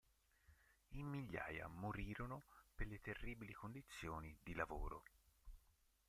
In migliaia morirono per le terribili condizioni di lavoro.